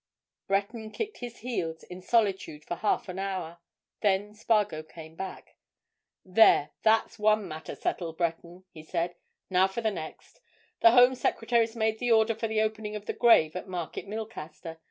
Breton kicked his heels in solitude for half an hour. Then Spargo came back. "There—that's one matter settled, Breton," he said. "Now for the next. The Home Secretary's made the order for the opening of the grave at Market Milcaster.